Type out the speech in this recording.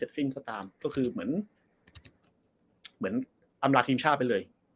ตัดสินใจขอถอนตัวจากทีมชาติไปเลย